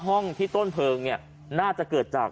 ห้องที่ต้นเพลิงเนี่ยน่าจะเกิดจาก